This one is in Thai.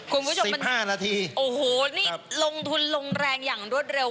คุณผู้ชมมันห้านาทีโอ้โหนี่ลงทุนลงแรงอย่างรวดเร็ว